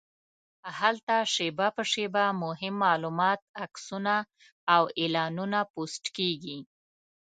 هلته شېبه په شېبه مهم معلومات، عکسونه او اعلانونه پوسټ کېږي.